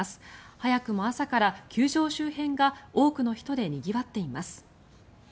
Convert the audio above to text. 早くも朝から球場周辺が多くの人でにぎわっています。